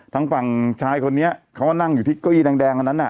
ทางฝั่งชายคนนี้เขาก็นั่งอยู่ที่เก้าอี้แดงคนนั้นน่ะ